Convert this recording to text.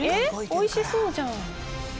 美味しそうじゃん。